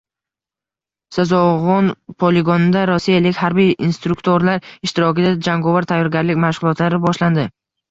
«Sazog‘on» poligonida rossiyalik harbiy instruktorlar ishtirokida jangovar tayyorgarlik mashg‘ulotlari boshlandi